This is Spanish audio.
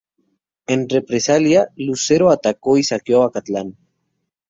En represalia Lucero atacó y saqueó Acatlán.